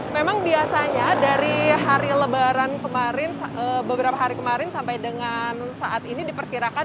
memang biasanya dari hari lebaran kemarin beberapa hari kemarin sampai dengan saat ini diperkirakan